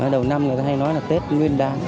đầu năm người ta hay nói là tết nguyên đán